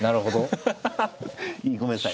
ごめんなさい。